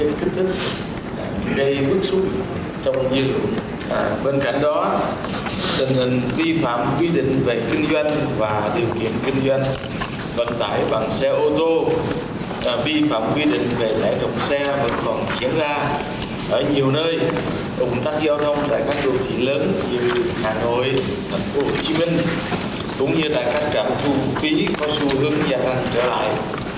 ủng thắc giao thông tại các chủ thị lớn như hà nội tp hcm cũng như tại các trạm thủ phí có xu hướng giảm trở lại